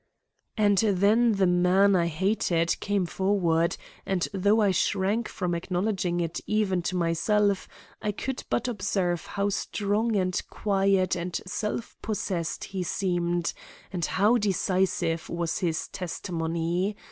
And then the man I hated came forward, and though I shrank from acknowledging it even to myself, I could but observe how strong and quiet and self possessed he seemed and how decisive was his testimony.